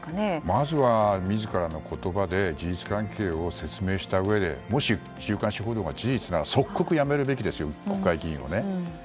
まずは自らの言葉で事実関係を説明したうえでもし週刊誌報道が事実なら即刻辞めるべきです、国会議員を。